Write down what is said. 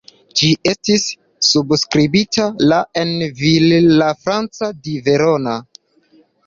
Ĝi estis subskribita la en Villafranca di Verona.